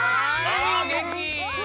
あげんき！